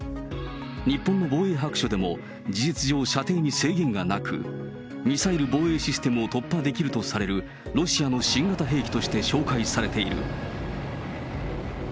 日本の防衛白書でも、事実上、射程に制限がなく、ミサイル防衛システムを突破できるとされるロシアの新型兵器として紹介されている。